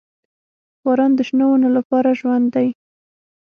• باران د شنو ونو لپاره ژوند دی.